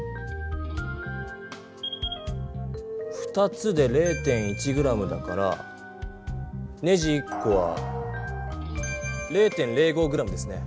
２つで０．１ｇだからネジ１こは０．０５ｇですね。